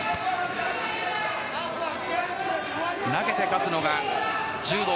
投げて勝つのが柔道。